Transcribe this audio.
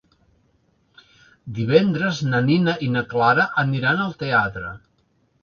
Divendres na Nina i na Clara aniran al teatre.